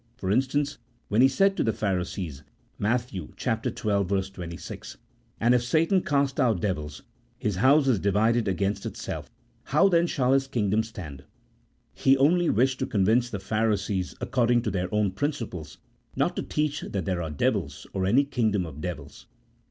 For instance, when He said to the Phari sees (Matt. xii. 26), "And if Satan cast out devils, his house is divided against itself, how then shall his kingdom stand?" He only wished to convince the Pharisees according to their own principles, not to teach that there are devils, or any kingdom of devils.